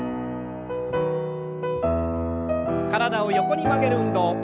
体を横に曲げる運動。